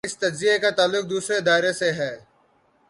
اس تجزیے کا تعلق دوسرے دائرے سے ہے۔